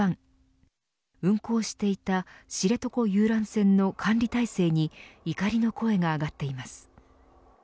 ＫＡＺＵ１運航していた知床遊覧船の管理体制に怒りの声が上がっています。